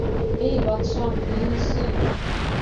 — Эй батшам, һөйөнсө!